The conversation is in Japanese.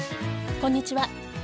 こんにちは。